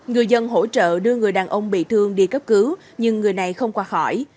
người dân hỗ trợ đưa người đàn ông bị thương đi cấp cứu nhưng người này không qua khỏi